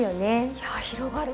いや広がる！